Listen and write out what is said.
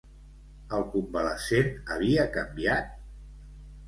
El convalescent havia canviat?